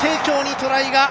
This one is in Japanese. トライ！